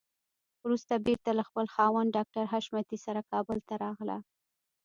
وروسته بېرته له خپل خاوند ډاکټر حشمتي سره کابل ته راغله.